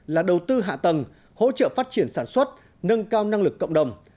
là đầu tư hạ tầng hỗ trợ phát triển sản xuất nâng cao năng lực cộng đồng